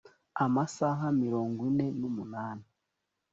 amasaha mirongo ine n umunani